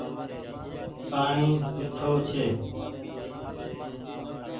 پآڻيٚ ميِٺو ڇي۔